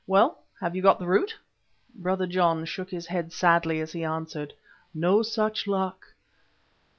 "Well, have you got the root?" Brother John shook his head sadly as he answered: "No such luck."